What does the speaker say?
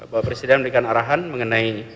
bapak presiden memberikan arahan mengenai